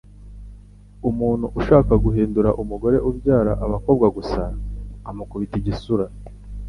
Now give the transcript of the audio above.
Umuntu ushaka guhindura umugore ubyara abakobwa gusa, amukubita igisura